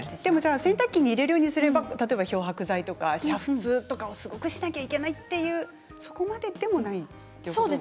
洗濯機に入れるようにすれば漂白剤とか煮沸をものすごくしなければいけないとかそこまでではないんですね。